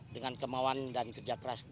dengan kemauan dan kerja keras